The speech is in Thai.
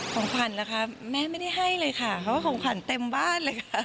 ของขวัญเหรอคะแม่ไม่ได้ให้เลยค่ะเพราะว่าของขวัญเต็มบ้านเลยค่ะ